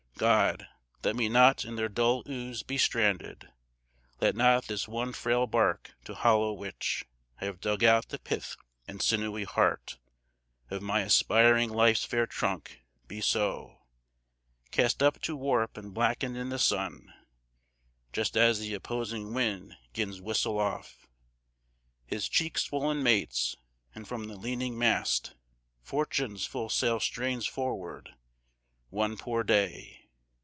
God, let me not in their dull ooze be stranded; Let not this one frail bark, to hollow which I have dug out the pith and sinewy heart Of my aspiring life's fair trunk, be so Cast up to warp and blacken in the sun, Just as the opposing wind 'gins whistle off His cheek swollen mates, and from the leaning mast Fortune's full sail strains forward! One poor day!